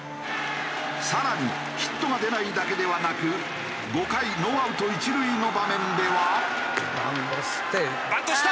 更にヒットが出ないだけではなく５回ノーアウト１塁の場面では。